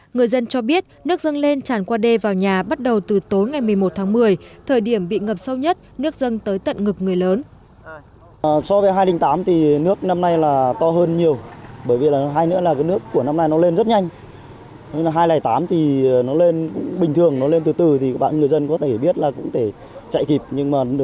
người dân cho biết nước dâng lên tràn qua đê vào nhà bắt đầu từ tối ngày một mươi một tháng một mươi thời điểm bị ngập sâu nhất nước dâng tới tận ngực người lớn